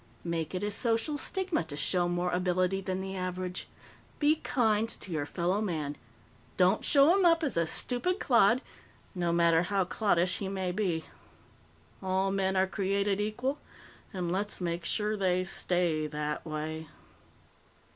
Make it a social stigma to show more ability than the average. Be kind to your fellow man; don't show him up as a stupid clod, no matter how cloddish he may be. _All men are created equal, and let's make sure they stay that way!